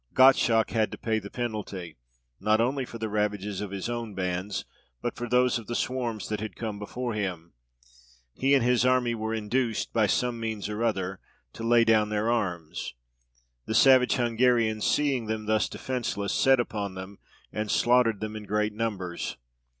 Gottschalk had to pay the penalty, not only for the ravages of his own bands, but for those of the swarms that had come before him. He and his army were induced, by some means or other, to lay down their arms: the savage Hungarians, seeing them thus defenceless, set upon them, and slaughtered them in great numbers.